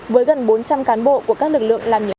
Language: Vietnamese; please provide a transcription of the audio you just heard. với gần bốn trăm linh cán bộ của các lực lượng làm nhiệm vụ